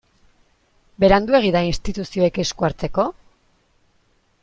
Beranduegi da instituzioek esku hartzeko?